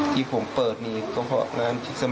ที่ผมเปิดนี่ก็เพราะงานที่นี่